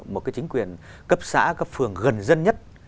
một cái chính quyền cấp xã cấp phường gần dân nhất